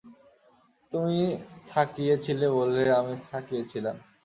তুমি থাকিয়ে ছিলে বলে আমি থাকিয়ে ছিলাম।